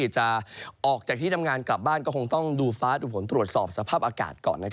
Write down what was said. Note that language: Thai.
จะออกจากที่ทำงานกลับบ้านก็คงต้องดูฟ้าดูผลตรวจสอบสภาพอากาศก่อน